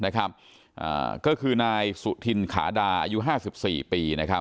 ก็คือนายสุธินขาดาอายุ๕๔ปี